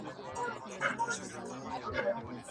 ماته خپل خالق لیکلی په ازل کي شبِ قدر ..